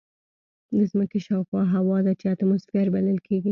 د ځمکې شاوخوا هوا ده چې اتماسفیر بلل کېږي.